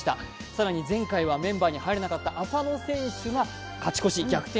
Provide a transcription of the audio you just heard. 更に前回はメンバーに入らなかった浅野選手が勝ち越し逆転